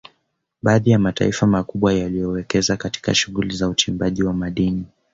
Baadhi ya mataifa makubwa yaliyowekeza katika shughuli za uchimbaji wa madini